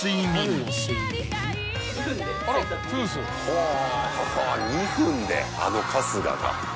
ほぉ２分であの春日が？